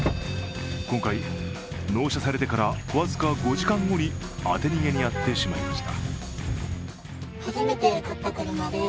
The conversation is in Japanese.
今回、納車されてから僅か５時間後に当て逃げに遭ってしまいました。